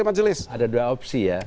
ada dua opsi ya